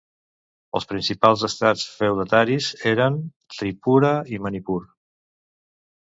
Els principals estats feudataris eren Tripura i Manipur.